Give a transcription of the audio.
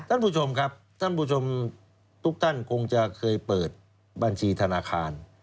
ท่านผู้ชมครับท่านผู้ชมทุกท่านคงจะเคยเปิดบัญชีธนาคาร